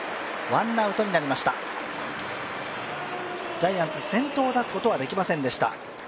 ジャイアンツ、先頭を出すことはできませんでした。